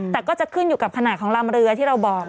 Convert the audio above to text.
แต่ก็จะขึ้นอยู่กับขนาดของลำเรือที่เราบอก